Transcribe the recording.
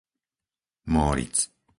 Móric